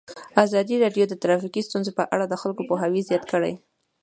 ازادي راډیو د ټرافیکي ستونزې په اړه د خلکو پوهاوی زیات کړی.